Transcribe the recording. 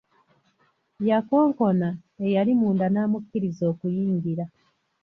Yakonkona, eyali munda n’amukkiriza okuyingira.